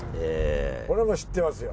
これは知ってますよ。